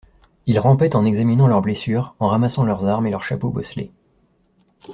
Ils rampaient en examinant leurs blessures, en ramassant leurs armes et leurs chapeaux bosselés!